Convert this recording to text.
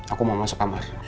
aku mau masuk kamar